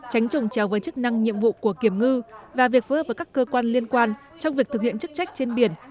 tránh trồng trèo với chức năng nhiệm vụ của kiểm ngư và việc phối hợp với các cơ quan liên quan trong việc thực hiện chức trách trên biển